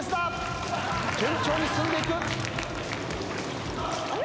順調に進んでいく。